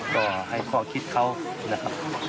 ก็ให้ข้อคิดเขานะครับ